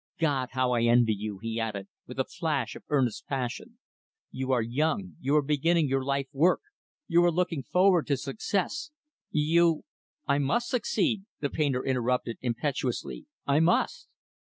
"God! how I envy you!" he added, with a flash of earnest passion. "You are young You are beginning your life work You are looking forward to success You " "I must succeed" the painter interrupted impetuously "I must."